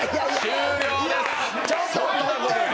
終了です。